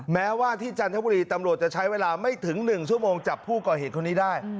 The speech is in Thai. แม้ว่าที่จันทบุรีตำรวจจะใช้เวลาไม่ถึง๑ชั่วโมงจับผู้ก่อเหตุคนนี้ได้